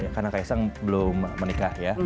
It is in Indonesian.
karena kaisang belum menikah ya